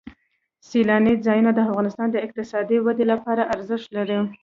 سیلانی ځایونه د افغانستان د اقتصادي ودې لپاره ارزښت لري.